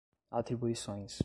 atribuições